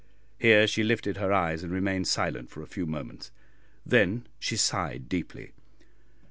Here she lifted her eyes and remained silent for a few moments, then she sighed deeply.